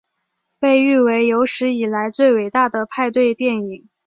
被誉为有史以来最伟大的派对电影。